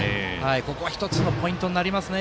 ここは１つポイントになりますね。